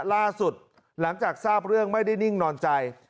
หลังจากทราบเรื่องไม่ได้นิ่งนอนใจ